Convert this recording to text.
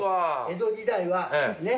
江戸時代はね